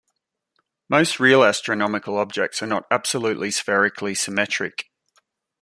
Most real astronomical objects are not absolutely spherically symmetric.